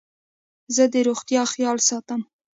زه د روغتیا خیال ساتم.